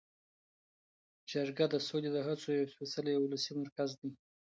جرګه د سولې د هڅو یو سپیڅلی او ولسي مرکز دی.